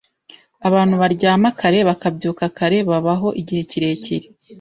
Abantu baryama kare bakabyuka kare babaho igihe kirekire.